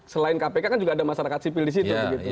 selain kpk kan juga ada masyarakat sipil disitu